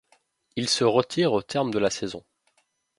Il se retire au terme de la saison.